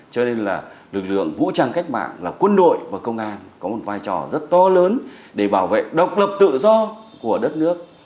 cho nên là lực lượng vũ trang cách mạng là quân đội và công an có một vai trò rất to lớn để bảo vệ độc lập tự do của đất nước